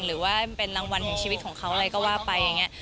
หรือว่าเป็นรางวัลของของเขาอะไรก็ว่าไปอย่างเงี่ย